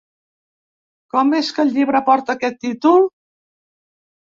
Com és que el llibre porta aquest títol?